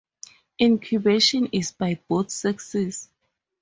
Incubation is by both sexes.